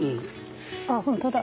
あっ本当だ。